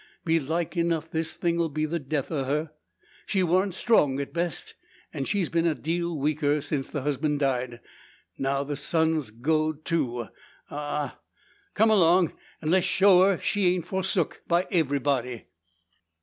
Belike enough this thing'll be the death o' her. She warn't strong at best, an' she's been a deal weaker since the husban' died. Now the son's goed too ah! Come along, an' le's show her, she ain't forsook by everybody."